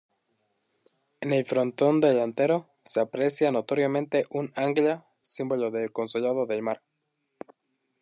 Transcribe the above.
En el frontón delantero se aprecia notoriamente un "ancla", símbolo del Consulado del Mar.